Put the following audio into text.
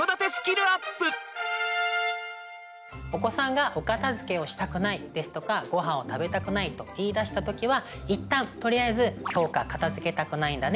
お子さんが「お片づけをしたくない」ですとか「ごはんを食べたくない」と言いだした時は一旦とりあえず「そうか片づけたくないんだね」